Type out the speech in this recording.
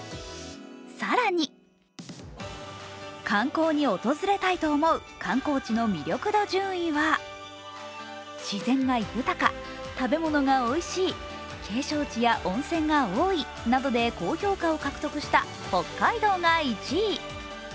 更に、観光に訪れたいと思う観光地の魅力度順位は自然が豊か、食べ物がおいしい景勝地や温泉が多いなどで高評価を獲得した北海道が１位。